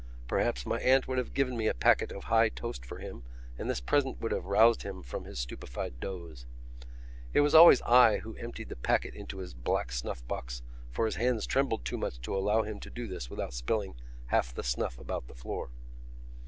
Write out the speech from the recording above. Perhaps my aunt would have given me a packet of High Toast for him and this present would have roused him from his stupefied doze. It was always I who emptied the packet into his black snuff box for his hands trembled too much to allow him to do this without spilling half the snuff about the floor.